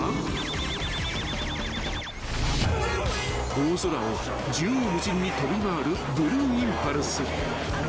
［大空を縦横無尽に飛び回るブルーインパルス］